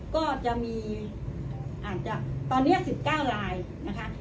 ก็จะมีอาจจะตอนเนี้ยสิบเก้ารายนะคะ